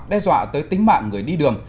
đe dọa tới tính mạng người đi đường